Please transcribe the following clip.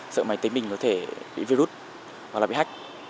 sợ máy tính mình có thể bị virus hoặc là bị hách